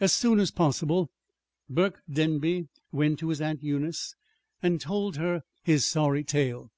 As soon as possible Burke Denby went to his Aunt Eunice and told her his sorry tale.